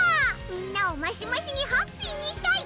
みんなをマシマシにハッピーにしたい！